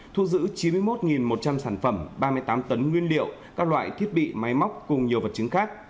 thu giữ chín mươi một một trăm linh sản phẩm ba mươi tám tấn nguyên liệu các loại thiết bị máy móc cùng nhiều vật chứng khác